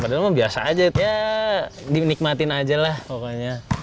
padahal mah biasa aja ya dinikmatin aja lah pokoknya